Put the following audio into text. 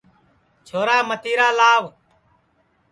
چھورا متیرا لاو